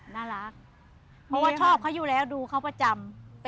น่ารักเพราะว่าชอบเขาอยู่แล้วดูเขาประจำ